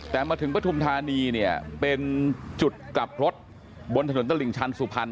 แต่มาถึงปฐุมธานีเนี่ยเป็นจุดกลับรถบนถนนตลิ่งชันสุพรรณ